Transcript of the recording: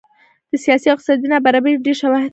د سیاسي او اقتصادي نابرابرۍ ډېر شواهد ترلاسه شوي